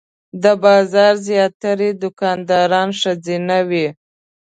د بازار زیاتره دوکانداران ښځینه وې.